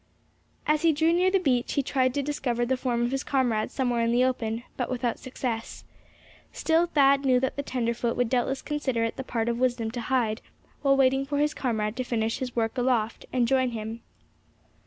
As he drew near the beach, he tried to discover the form of his comrade somewhere in the open, but without success. Still, Thad knew that the tenderfoot would doubtless consider it the part of wisdom to hide, while waiting for his comrade to finish his work aloft, and join him.